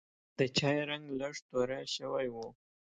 د چای رنګ لږ توره شوی و.